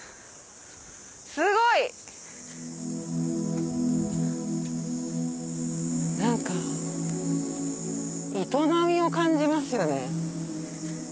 すごい！何か営みを感じますよね。